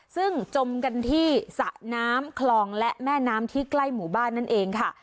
ซึ่งจมกันที่สระน้ำคลองและแม่น้ำที่ใกล้หมู่บ้านนั่นเองค่ะ